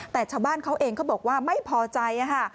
แต่ชาวบ้านเขาเองเขาบอกว่าไม่พอใจค่ะ